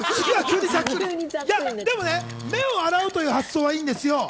でも目を洗うという発想は良いんですよ。